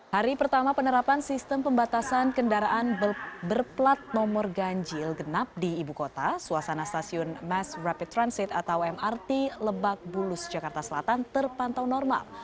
hari pertama penerapan sistem pembatasan kendaraan berplat nomor ganjil genap di ibu kota suasana stasiun mass rapid transit atau mrt lebak bulus jakarta selatan terpantau normal